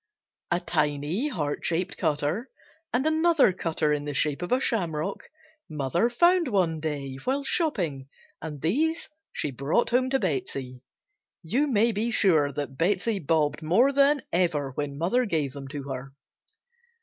A tiny heart shaped cutter, and another cutter in the shape of a shamrock, mother found one day while shopping and these she brought home to Betsey. You may be sure that Betsey "bobbed" more than ever when mother gave them to her.